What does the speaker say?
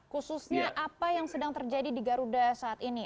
khususnya apa yang sedang terjadi di garuda saat ini